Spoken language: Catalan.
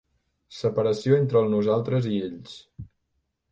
Separació entre el nosaltres i ells.